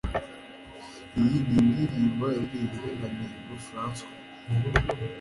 Iyi ni indirimbo yaririmbwe na Mihigo Francois,